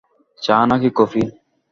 চা নাকি কফি?